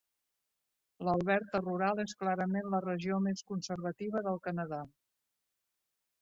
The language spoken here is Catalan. L'Alberta rural és clarament la regió més conservativa del Canadà.